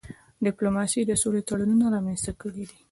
ډيپلوماسی د سولي تړونونه رامنځته کړي دي.